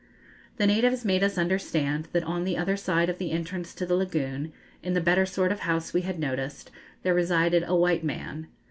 The natives made us understand that on the other side of the entrance to the lagoon, in the better sort of house we had noticed, there resided a white man.